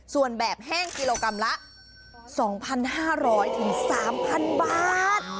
ส่วนแบบแห้งกิโลกรัมละ๒๕๐๐๓๐๐บาท